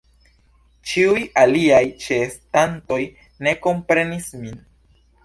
Ĉiuj aliaj ĉeestantoj ne komprenis min.